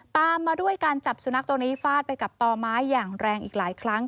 ตามมาด้วยการจับสุนัขตัวนี้ฟาดไปกับต่อไม้อย่างแรงอีกหลายครั้ง